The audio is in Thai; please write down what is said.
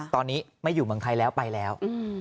ตอนนี้ไม่อยู่เมืองไทยแล้วไปแล้ว